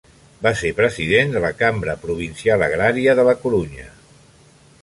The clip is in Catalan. Va ser president de la Cambra Provincial Agrària de la Corunya.